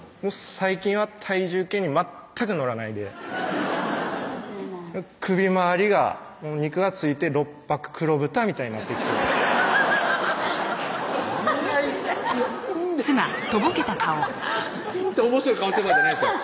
最近は体重計に全く乗らないで首回りが肉が付いて六白黒豚みたいになってきてそんなアハハハッっておもしろい顔してる場合じゃないですよ